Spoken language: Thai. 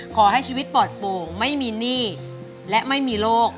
ขอให้ชีวิตปลอดโป่งไม่มีหนี้และไม่มีโรค